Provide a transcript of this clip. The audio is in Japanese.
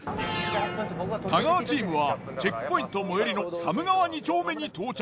太川チームはチェックポイント最寄りの寒川二丁目に到着。